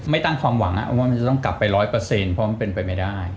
ตั้งความหวังว่ามันจะต้องกลับไป๑๐๐เพราะมันเป็นไปไม่ได้